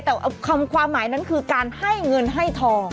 แต่ความหมายนั้นคือการให้เงินให้ทอง